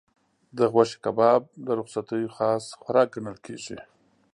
د غوښې کباب د رخصتیو خاص خوراک ګڼل کېږي.